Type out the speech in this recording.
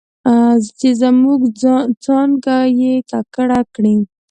چې زموږ څانګه یې ککړه کړې